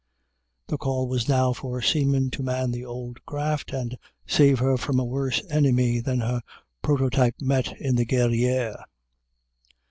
The call was now for seamen to man the old craft and save her from a worse enemy than her prototype met in the "Guerrière."